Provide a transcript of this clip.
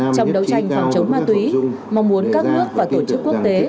trong đấu tranh phòng chống ma túy mong muốn các nước và tổ chức quốc tế